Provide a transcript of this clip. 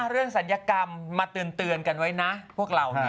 เรื่องศัลยกรรมมาตื่นกันไว้นะพวกเรา